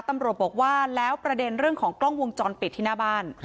ตำรวจบอกว่าแล้วประเด็นเรื่องของกล้องวงจรปิดที่หน้าบ้าน